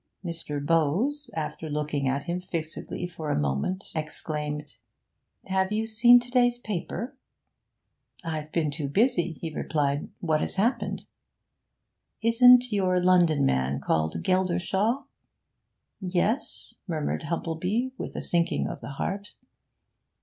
Mr. Bowes, after looking at him fixedly for a moment, exclaimed 'Have you seen to day's paper?' 'I've been too busy,' he replied. 'What has happened?' 'Isn't your London man called Geldershaw?' 'Yes,' murmured Humplebee, with a sinking of the heart.